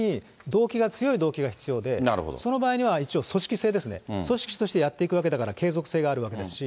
そのために動機が、強い動機が必要で、その場合には、一応、組織性ですね、組織としてやっていくわけだから、継続性があるわけだし。